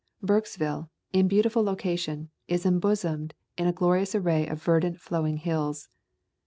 Burkesville, in beautiful location, is embosomed in a glorious array of verdant flowing hills.